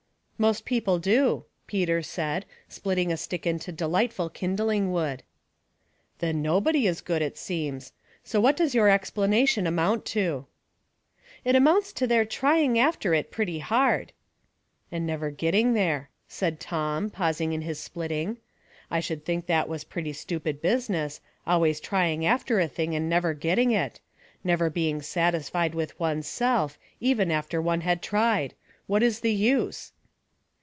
" Most people do," Peter said, splitting a stick into delicfhtful kindlins^ wood. ''Then nobody is good, it seems. So what does your explanation amount to ?" "It amounts to their trying after it pretty hard." " And never getting there," said Tom, paus ing in his splitting. " 1 should think that was pretty stupid business, always trying after a thing and never getting it ; never being satisfie(? 3 34 Household Puzzles, with one*s self, even after one had tried. What is the use